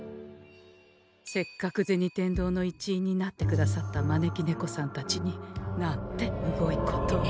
せっかく銭天堂の一員になってくださった招き猫さんたちになんてむごいことを。